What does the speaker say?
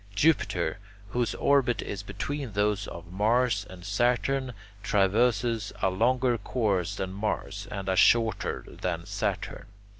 Jupiter, whose orbit is between those of Mars and Saturn, traverses a longer course than Mars, and a shorter than Saturn.